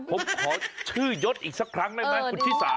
ผมขอชื่อยศอีกสักครั้งได้ไหมคุณชิสา